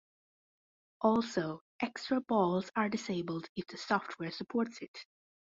Also, extra balls are disabled if the software supports it.